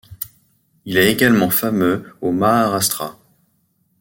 Il est également fameux au Maharashtra.